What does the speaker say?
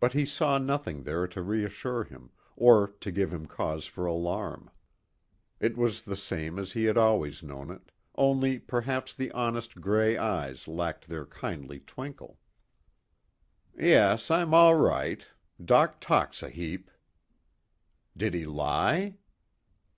But he saw nothing there to reassure him, or to give him cause for alarm. It was the same as he had always known it, only perhaps the honest gray eyes lacked their kindly twinkle. "Yes, I'm all right. Doc talks a heap." "Did he lie?"